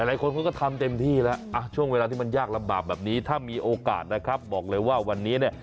หลายคนเขาก็ทำเต็มที่แล้วช่วงเวลาที่มันยากลำบากแบบนี้ถ้ามีโอกาสนะครับบอกเลยว่าวันนี้เนี่ย